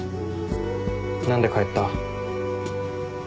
何で帰った？